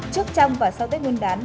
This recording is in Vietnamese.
trước trong và sau tết nguyên đán